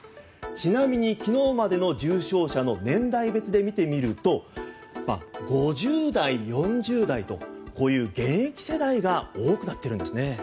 ちなみに昨日までの重症者を年代別で見てみると５０代、４０代とこういう現役世代が多くなっているんですね。